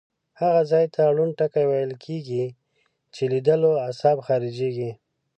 هغه ځای ته ړوند ټکی ویل کیږي چې لیدلو عصب خارجیږي.